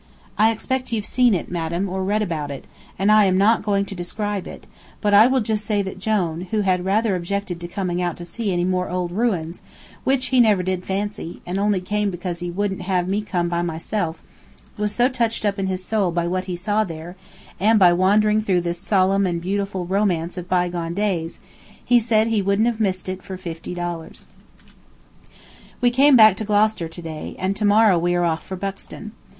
I expect you've seen it, madam, or read about it, and I am not going to describe it; but I will just say that Jone, who had rather objected to coming out to see any more old ruins, which he never did fancy, and only came because he wouldn't have me come by myself, was so touched up in his soul by what he saw there, and by wandering through this solemn and beautiful romance of bygone days, he said he wouldn't have missed it for fifty dollars. We came back to Gloucester to day, and to morrow we are off for Buxton.